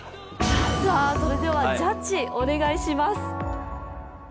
さあそれではジャッジお願いします。